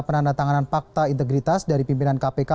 penandatanganan fakta integritas dari pimpinan kpk